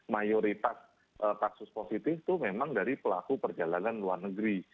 mayoritas kasus positif itu memang dari pelaku perjalanan luar negeri